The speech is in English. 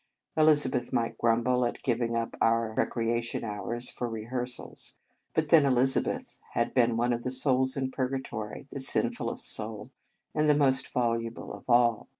Elizabeth might grumble at giving up our recreation hours to rehearsals; but then Elizabeth had been one of the souls in Purgatory, the sinfullest soul, and the most voluble of all.